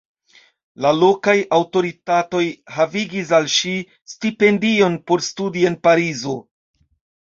La lokaj aŭtoritatoj havigis al ŝi stipendion por studi en Parizo.